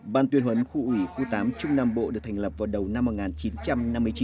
ban tuyên huấn khu ủy khu tám trung nam bộ được thành lập vào đầu năm một nghìn chín trăm năm mươi chín